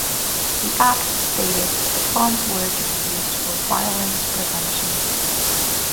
The act stated that the funds were to be used for "violence prevention".